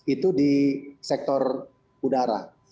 itu di sektor udara